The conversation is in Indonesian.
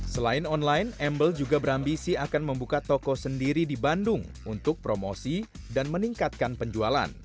selain online embel juga berambisi akan membuka toko sendiri di bandung untuk promosi dan meningkatkan penjualan